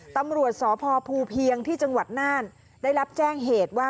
ตำรวจสพภูเพียงที่จังหวัดน่านได้รับแจ้งเหตุว่า